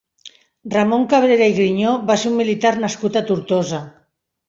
Ramon Cabrera i Grinyó va ser un militar nascut a Tortosa.